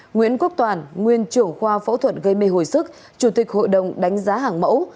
nguyễn quốc toàn nguyên trưởng khoa phẫu thuật gây mê hồi sức chủ tịch hội đồng đánh giá hàng mẫu